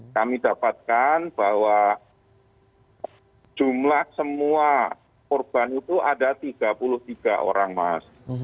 kami dapatkan bahwa jumlah semua korban itu ada tiga puluh tiga orang mas